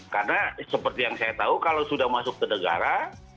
karena seperti yang saya tahu kalau sudah masuk ke negara